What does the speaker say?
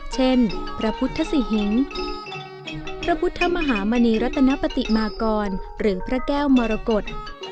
เช่นพระพุทธสิหิงพระพุทธมหามณีรัตนปฏิมากรหรือพระแก้วมรกฏ